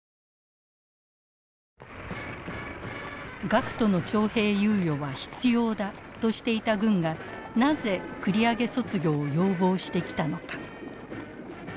学徒の徴兵猶予は必要だとしていた軍がなぜ繰り上げ卒業を要望してきたのか。